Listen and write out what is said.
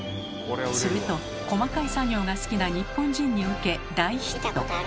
すると細かい作業が好きな日本人に受け大ヒット。